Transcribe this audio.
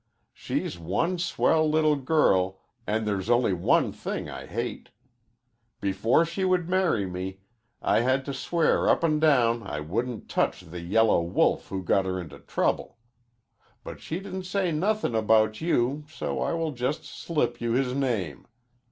Shes one swell little girl and theres only one thing I hate. Before she would marry me I had to swear up and down I wouldnt touch the yellow wolf who got her into trouble. But she didnt say nothing about you so I will just slip you his name.